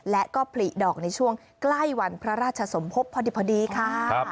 และก็ผลิดอกในช่วงใกล้วันพระราชสมภพพอดีค่ะ